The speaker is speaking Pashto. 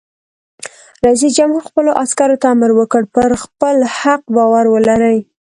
رئیس جمهور خپلو عسکرو ته امر وکړ؛ پر خپل حق باور ولرئ!